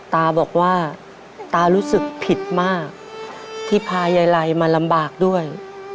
ตาบอกว่าตารู้สึกผิดมากที่พายายไลมาลำบากด้วย